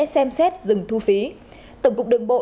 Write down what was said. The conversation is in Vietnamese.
xem xét rừng thu phí tổng cục đường bộ